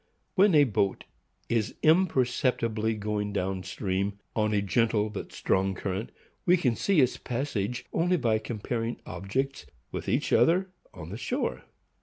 When a boat is imperceptibly going down stream on a gentle but strong current, we can see its passage only by comparing objects with each other on the shore.